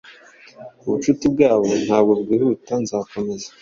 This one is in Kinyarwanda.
Ubucuti bwabo ntabwo bwihuta Nzakomeza